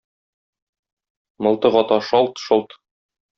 Мылтык ата шалт-шолт.